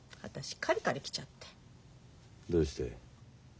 どうして？